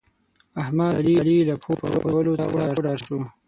احمد؛ د علي له پښو ترپولو څخه وډار شو.